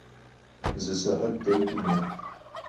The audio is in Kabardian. Зы сыхьэт дэкӏмэ.